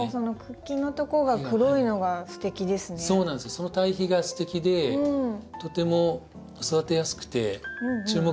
その対比がステキでとても育てやすくて注目の子ですね。